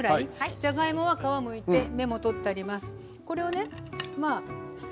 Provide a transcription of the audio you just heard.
じゃがいも、皮をむいて芽も取ってあります。